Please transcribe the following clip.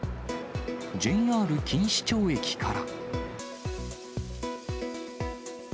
ＪＲ錦糸町駅から。